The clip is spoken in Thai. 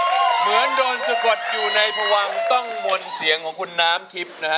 เหมือนโดนสะกดอยู่ในพวังต้องมนต์เสียงของคุณน้ำทิพย์นะฮะ